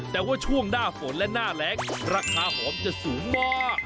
แต่ว่าช่วงหน้าฝนและหน้าแรงราคาหอมจะสูงมาก